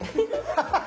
ハハハ！